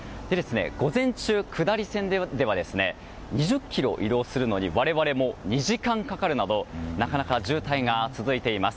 午前中下り線では２０ｋｍ移動するのに我々も２時間かかるなどなかなか渋滞が続いています。